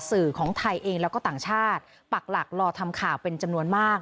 สื่อของไทยเองแล้วก็ต่างชาติปักหลักรอทำข่าวเป็นจำนวนมาก